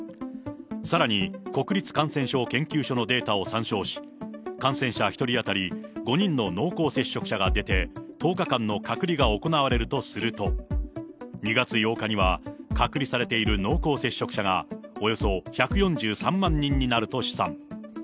さらに、国立感染症研究所のデータを参照し、感染者１人当たり５人の濃厚接触者が出て、１０日間の隔離が行われるとすると、２月８日には隔離されている濃厚接触者がおよそ１４３万人になると試算。